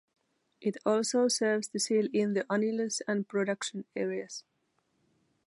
It also serves to seal-in the annulus and production areas.